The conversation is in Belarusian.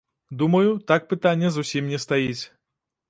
Думаю, так пытанне зусім не стаіць.